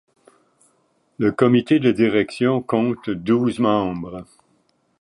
Le comité de direction compte douze membres.